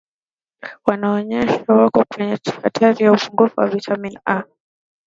wanaonyonyesha wako kwenye hatari ya upungufu wa vitamini A